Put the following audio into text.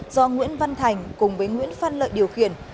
do nguyễn văn thành cùng với nguyễn phan lợi điều khiển